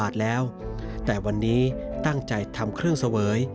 แต่วันนี้ตั้งใจทำเครื่องเสวย